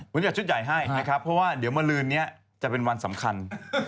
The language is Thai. ผมจัดชุดใหญ่ให้นะครับเพราะว่าเดี๋ยวมาลืนนี้จะเป็นวันสำคัญ